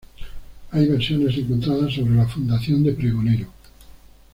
Hay versiones encontradas sobre la fundación de Pregonero.